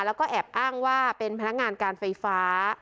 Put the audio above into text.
แล้วก็แอบอ้างว่าเป็นพนักงานการไฟฟ้า